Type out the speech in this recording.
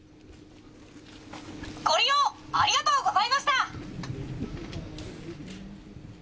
ご利用ありがとうございました。